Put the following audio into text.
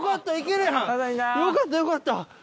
よかったよかった！